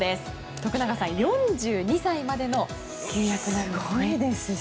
徳永さん、４２歳までの契約なんですね。